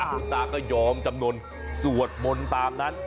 คุณตาก็ยอมจำนวนสวดมนต์ตามนั้น